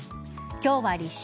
今日は立春。